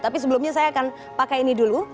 tapi sebelumnya saya akan pakai ini dulu